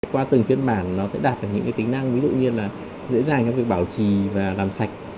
qua từng phiên bản nó sẽ đạt được những tính năng lựa nhiên là dễ dàng trong việc bảo trì và làm sạch